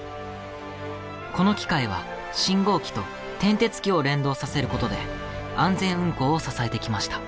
この機械は信号機と転てつ機を連動させることで安全運行を支えてきました。